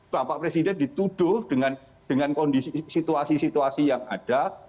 bapak presiden dituduh dengan kondisi situasi situasi yang ada